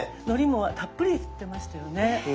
のりもたっぷり振ってましたよね。